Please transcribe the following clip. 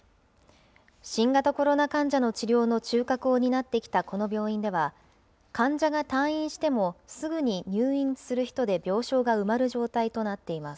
新型コロナ患者の治療の中核を担ってきたこの病院では、患者が退院しても、すぐに入院する人で病床が埋まる状態となっています。